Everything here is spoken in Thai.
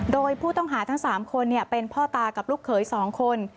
โดยผู้ต้องหาทั้ง๓คนเป็นพ่อตากับลูกเขย๒คน